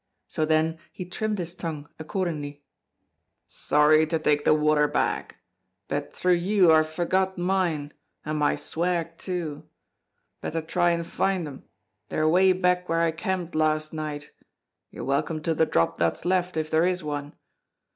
So then he trimmed his tongue accordingly. "Sorry to take the water bag; but through you I've forgot mine and my swag too. Better try and find 'em; they're away back where I camped last night; you're welcome to the drop that's left, if there is one.